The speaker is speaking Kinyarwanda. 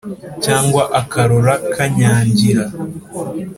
Cyangwa akarora Kanyangira,